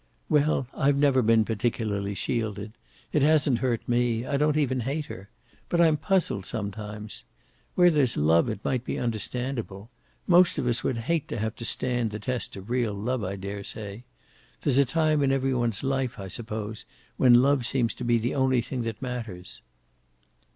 "Well, I've never been particularly shielded. It hasn't hurt me. I don't even hate her. But I'm puzzled sometimes. Where there's love it might be understandable. Most of us would hate to have to stand the test of real love, I daresay. There's a time in every one's life, I suppose, when love seems to be the only thing that matters."